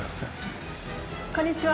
こんにちは。